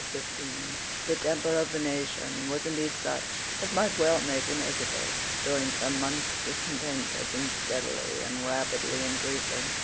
The temper of the nation was indeed such as might well make him hesitate. During some months discontent had been steadily and rapidly increasing.